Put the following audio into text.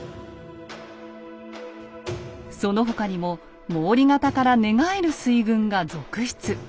その他にも毛利方から寝返る水軍が続出。